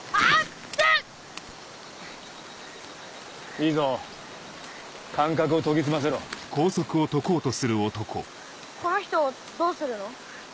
いいぞ感覚を研ぎ澄ませろこの人どうするの？